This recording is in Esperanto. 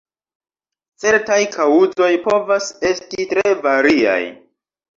Certaj kaŭzoj povas esti tre variaj.